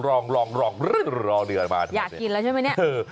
อยากกินแล้วใช่ไหมนี่